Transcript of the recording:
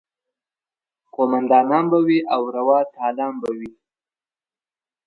قوماندانان به وي او روا تالان به وي.